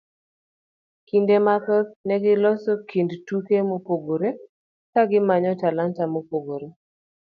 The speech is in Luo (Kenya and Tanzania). Kinde mathoth ne giloso kind tuke mopogore kagimanyo talanta mopogore.